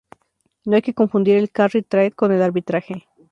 No hay que confundir el carry trade con el arbitraje.